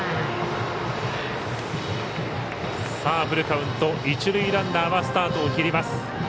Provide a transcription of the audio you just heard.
フルカウント、一塁ランナーはスタートを切ります。